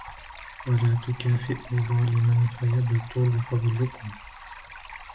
وَلَا تُكَافِئُوا ظَالِمًا فَيَبْطُلَ فَضْلُكُمْ